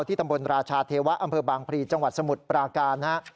ตำบลราชาเทวะอำเภอบางพลีจังหวัดสมุทรปราการนะฮะ